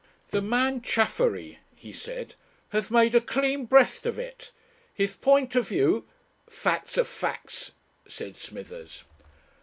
"The man Chaffery," he said, "has made a clean breast of it. His point of view " "Facts are facts," said Smithers.